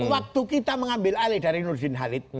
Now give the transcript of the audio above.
waktu kita mengambil alih dari nur zin halid